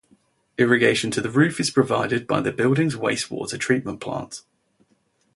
Irrigation to the roof is provided by the building's wastewater treatment plant.